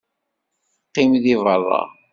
Qqim deg beṛṛa.